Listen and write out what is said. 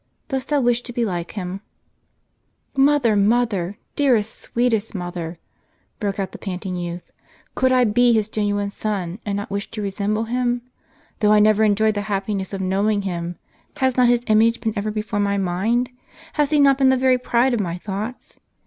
Dost thou wish to be like him ?" "Mother, mother! dearest, sweetest mother!" broke out the panting youth ;" could I be his genuine son, and not wish to resemble him ? Though I never enjoyed the happiness of knowing him, has not his image been ever before my mind ? Has he not been the very pride of my thoughts?